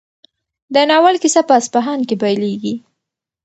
د ناول کیسه په اصفهان کې پیلېږي.